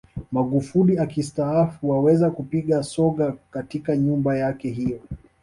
Magufuli akistaafu waweze kupiga soga katika nyumba yake hiyo